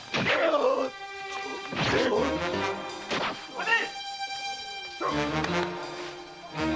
待て！